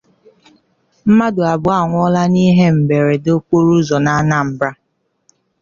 Mmadụ Abụọ Anwụọla n'Ihe Mberede Okporoụzọ n'Anambra